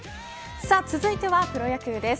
続いてはプロ野球です。